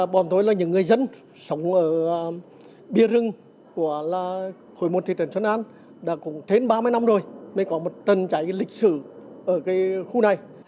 bọn tôi là những người dân sống ở bia rừng của khối một thị trấn xuân an đã cũng trên ba mươi năm rồi mới có một trận cháy lịch sử ở cái khu này